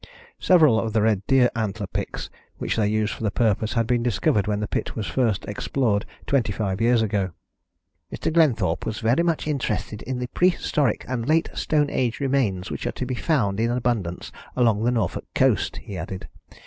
Several of the red deer antler picks which they used for the purpose had been discovered when the pit was first explored twenty five years ago. "Mr. Glenthorpe was very much interested in the prehistoric and late Stone Age remains which are to be found in abundance along the Norfolk coast," he added.